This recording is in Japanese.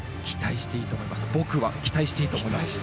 僕は期待していいと思います。